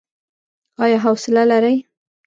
ایا حوصله لرئ؟